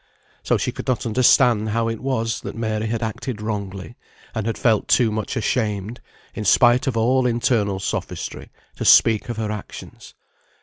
So she could not understand how it was that Mary had acted wrongly, and had felt too much ashamed, in spite of all internal sophistry, to speak of her actions.